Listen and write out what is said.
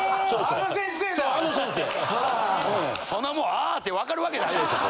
そんなもん「あ」って分かるわけないでしょ